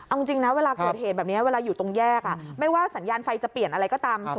เอาจริงนะเวลาเกิดเหตุแบบนี้เวลาอยู่ตรงแยก